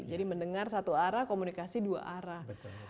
jadi mendengar satu arah komunikasi dua arah